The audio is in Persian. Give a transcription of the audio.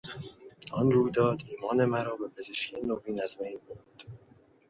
آن رویداد ایمان مرا به پزشکی نوین از بین برد.